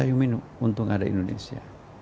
untung ada indonesia